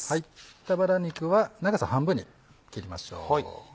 豚バラ肉は長さ半分に切りましょう。